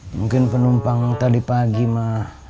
mungkin penumpang tadi pagi mah